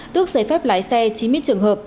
tức giấy phép lái xe chín mươi trường hợp